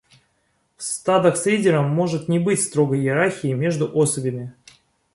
В стадах с лидером может не быть строгой иерархии между особями.